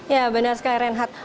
ya benar sekali renhat